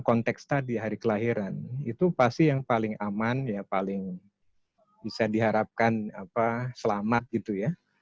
konteks tadi hari kelahiran itu pasti yang paling aman ya paling bisa diharapkan selamat gitu ya